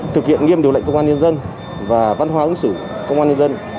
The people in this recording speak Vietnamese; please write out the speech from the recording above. thực hiện nghiêm điều lệnh công an nhân dân và văn hóa ứng xử công an nhân dân